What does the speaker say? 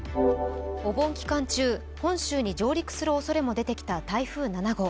お盆期間中、本州に上陸するおそれも出てきた台風７号。